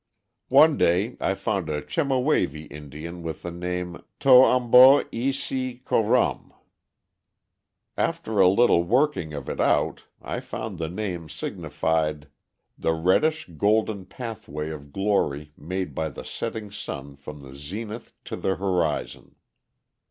One day I found a Chemehuevi Indian with the name Tow um bow i si co rum. After a little working of it out, I found the name signified: "The reddish golden pathway of glory made by the setting sun from the zenith to the horizon."